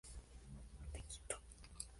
No volvió a reelegirse como diputado titular.